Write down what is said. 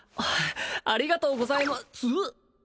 ありがとうございます？